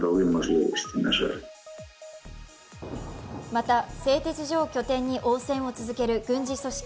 また、製鉄所を拠点に応戦を続ける軍事組織